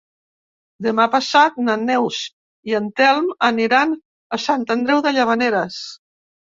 Demà passat na Neus i en Telm aniran a Sant Andreu de Llavaneres.